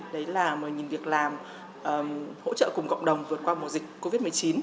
đấy là mời nhìn việc làm hỗ trợ cùng cộng đồng vượt qua mùa dịch covid một mươi chín